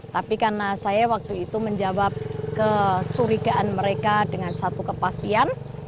tapi karena saya waktu itu menjawab kecurigaan mereka dengan satu kepastian